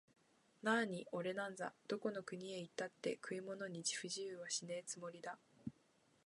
なあにおれなんざ、どこの国へ行ったって食い物に不自由はしねえつもりだ